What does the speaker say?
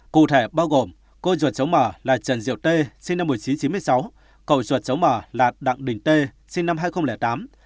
cụ thể bao gồm cô ruột cháu mờ là trần diệu tê sinh năm một nghìn chín trăm chín mươi sáu cậu ruột cháu mờ là đặng đình tê sinh năm hai nghìn tám